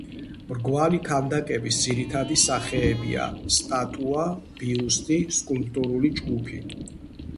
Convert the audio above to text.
მრგვალი ქანდაკების ძირითადი სახეებია, სტატუა, ბიუსტი, სკულპტურული ჯგუფი.